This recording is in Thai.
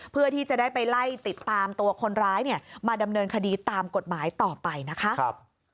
เพื่อที่จะได้ไปไล่ติดตามตัวคนร้ายเนี่ยมาดำเนินคดีตามกฎหมายต่อไปนะคะ